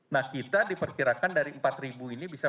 nah kita diperkirakan dari empat ribu ini bisa